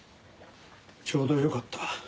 ちょうどよかった。